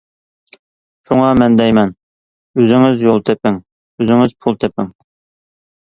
شۇڭا، مەن دەيمەن، ئۆزىڭىز يول تېپىڭ، ئۆزىڭىز پۇل تېپىڭ.